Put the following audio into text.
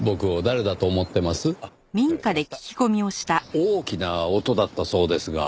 大きな音だったそうですが。